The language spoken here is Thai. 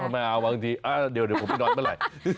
ไม่เอาบางทีเดี๋ยวผมไปนอนเมื่อไหร่